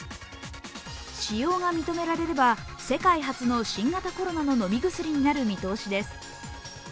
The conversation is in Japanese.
使用が認められれば、世界初の新型コロナの飲み薬になる見通しです。